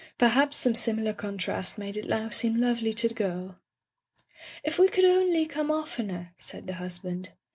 Perhaps some similar contrast made it now seem lovely to the girl. "If we could only come oftener!" said the husband.